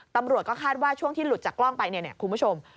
ตำรวจก็คาดว่าช่วงที่หลุดจากกล้องไปเนี่ยคุณผู้ชม